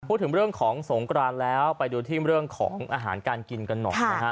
พูดถึงเรื่องของสงกรานแล้วไปดูที่เรื่องของอาหารการกินกันหน่อยนะฮะ